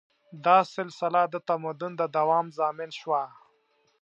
دا سلسله د تمدن د دوام ضامن شوه.